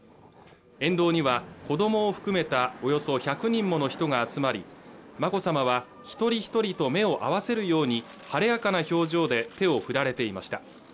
沿道には子どもを含めたおよそ１００人もの人が集まり眞子さまは一人ひとりと目を合わせるように晴れやかな表情で手を振られていました